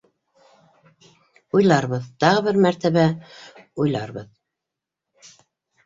Уйларбыҙ, тағы бер мәртә- бә уйларбыҙ